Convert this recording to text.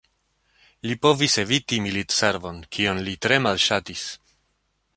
Li povis eviti militservon, kion li tre malŝatis.